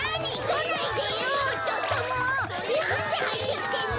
なんではいってきてんの！？